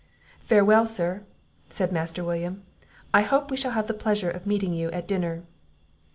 "Farewell, Sir," said Master William; "I hope we shall have the pleasure of meeting you at dinner."